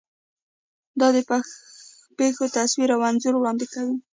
دا د پېښو تصویر او انځور وړاندې کوي.